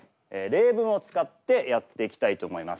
例文を使ってやっていきたいと思います。